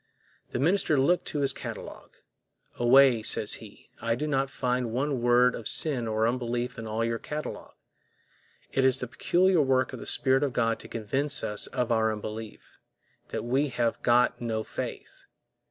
The minister looked to his catalog. Away, says he, I do not find one word of the sin of unbelief in all your catalog. It is the peculiar work of the Spirit of God to convince us of our unbelief—that we have got no faith.